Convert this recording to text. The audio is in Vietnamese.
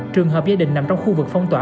trường hợp gia đình nằm trong khu vực phong tỏa